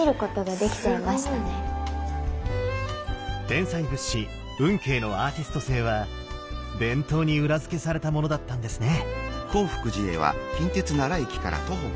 天才仏師運慶のアーティスト性は伝統に裏付けされたものだったんですね。